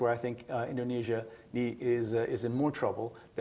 pengembangan manusia dan kapital manusia